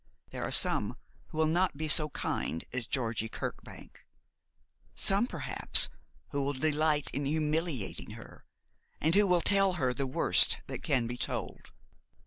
There are some who will not be so kind as Georgie Kirkbank; some, perhaps, who will delight in humiliating her, and who will tell her the worst that can be told.